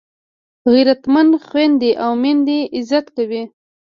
غیرتمند خویندي او میندې عزت کوي